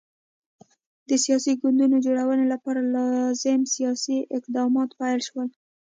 د سیاسي ګوندونو جوړونې لپاره لازم سیاسي اقدامات پیل شول.